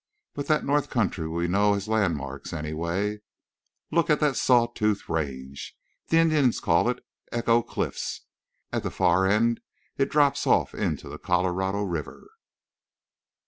But that north country we know as landmarks, anyway. Look at that saw tooth range. The Indians call it Echo Cliffs. At the far end it drops off into the Colorado River.